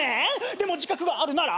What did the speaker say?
「でも自覚があるなら」